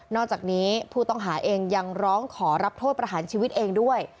จากนี้ผู้ต้องหาเองยังร้องขอรับโทษประหารชีวิตเองด้วย